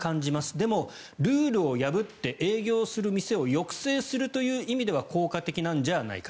でも、ルールを破って営業する店を抑制するという意味では効果的ではないか。